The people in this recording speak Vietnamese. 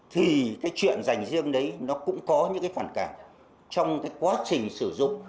thì cái chuyện dành riêng đấy nó cũng có những cái phản cảm trong cái quá trình sử dụng